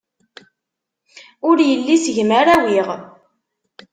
Ur yelli seg-m ara awiɣ.